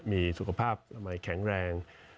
มีสุขภาพใหม่แข็งแรง